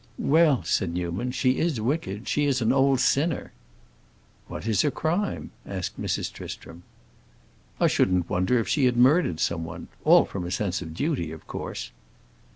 "Well," said Newman, "she is wicked, she is an old sinner." "What is her crime?" asked Mrs. Tristram. "I shouldn't wonder if she had murdered someone—all from a sense of duty, of course."